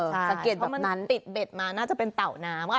ใช่เพราะมันติดเบ็ดมาน่าจะเป็นเต่าน้ำ